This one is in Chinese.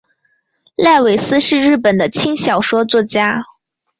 濑尾司是日本的轻小说作家。